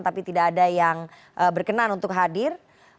tapi tidak ada yang berkenan untuk hadir